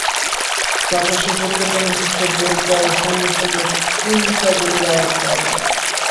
চাচা শ্বশুরকে টেনেহিঁচড়ে বের করার সঙ্গে সঙ্গে তিনটা গুলির আওয়াজ পাওয়া গেল।